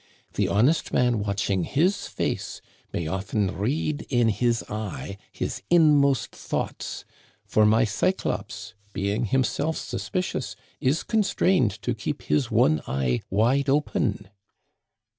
The honest man watching his face may often read in his eye his inmost thoughts ; for my Cyclops, being himself suspicious, is constrained to keep his one eye wide open."